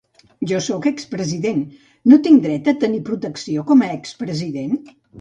Jo sóc ex-president: no tinc dret a tenir protecció com a ex-president?